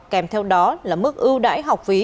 kèm theo đó là mức ưu đãi học phí